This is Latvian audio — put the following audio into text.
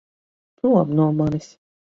Prom no manis!